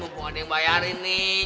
bukan ada yang bayarin nih